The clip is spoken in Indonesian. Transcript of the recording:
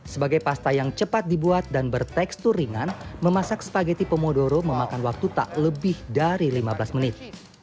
sebagai pasta yang cepat dibuat dan bertekstur ringan memasak spageti pomodoro memakan waktu tak lebih dari lima belas menit